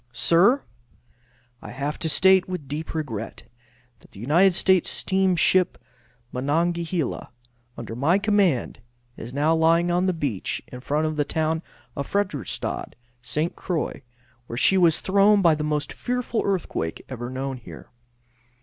Sir: I have to state, with deep regret, that the United States steamship Monongahela, under my command, is now lying on the beach in front of the town of Frederickstadt, St. Croix, where she was thrown by the most fearful earthquake ever known here.